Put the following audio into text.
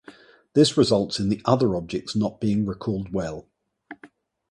This results in the other objects not being recalled well.